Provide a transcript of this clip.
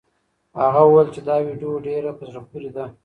هغه وویل چې دا ویډیو ډېره په زړه پورې ده.